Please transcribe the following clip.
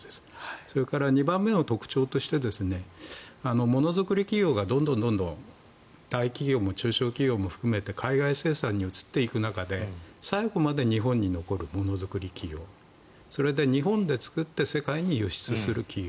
それから２番目の特徴としてものづくり企業がどんどん大企業も中小企業も含めて海外生産に移っていく中で最後まで日本に残るものづくり企業それで日本で作って世界に輸出する企業。